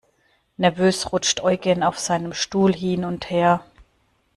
Nervös rutscht Eugen auf seinem Stuhl hin und her.